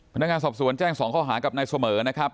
พนักงานสอบสวนแจ้ง๒ข้อหากับนายเสมอนะครับ